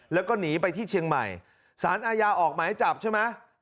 แล้วก็หนีไปที่เชียงใหม่สารอาญาออกหมายจับใช่ไหม